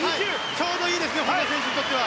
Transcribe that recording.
ちょうどいいですね本多選手にとっては。